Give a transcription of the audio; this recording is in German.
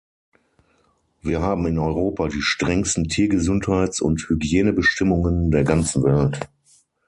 Wir haben in Europa die strengsten Tiergesundheits- und Hygienebestimmungen der ganzen Welt.